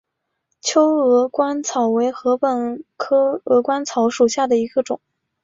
秋鹅观草为禾本科鹅观草属下的一个种。